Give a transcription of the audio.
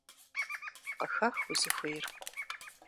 Къыхэх узыхуейр.